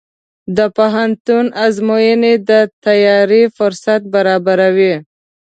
د پوهنتون ازموینې د تیاری فرصت برابروي.